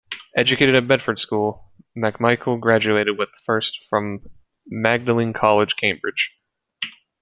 Educated at Bedford School, MacMichael graduated with a first from Magdalene College, Cambridge.